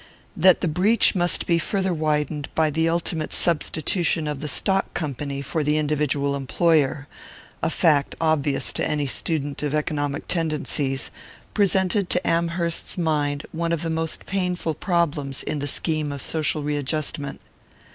That the breach must be farther widened by the ultimate substitution of the stock company for the individual employer a fact obvious to any student of economic tendencies presented to Amherst's mind one of the most painful problems in the scheme of social readjustment.